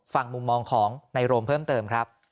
มุมมองของในโรมเพิ่มเติมครับ